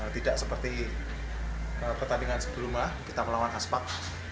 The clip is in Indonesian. tidak seperti pertandingan sebelumnya kita melawan khas pak